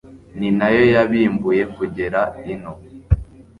ni nayo yabimbuye kugera ino